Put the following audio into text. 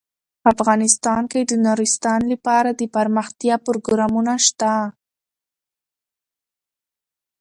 افغانستان کې د نورستان لپاره دپرمختیا پروګرامونه شته.